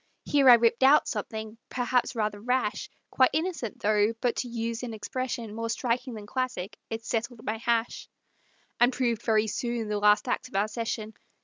Here I ripped out something, perhaps rather rash, Quite innocent, though; but to use an expression More striking than classic, it "settled my hash," And proved very soon the last act of our session.